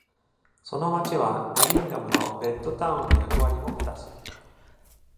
その町はベリンガムのベッドタウンの役割も果たす。